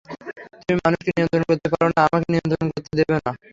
তুমি মানুষকে নিয়ন্ত্রণ করতে পারো না, আমাকে নিয়ন্ত্রণ করতে দেব না।